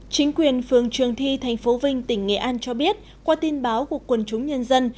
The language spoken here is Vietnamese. chính quyền phường trường thi tp vinh tỉnh nghệ an cho biết qua tin báo của quần chúng nhân dân